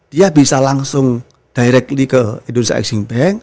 dia bisa langsung directly ke indonesia exhing bank